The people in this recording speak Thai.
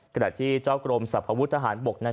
เกตตะที่เจ้ากลมสรรพวุทธภาคบก